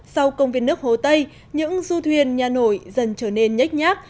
sau công viên nước hồ tây những du thuyền nhà nổi dần trở nên nhách nhác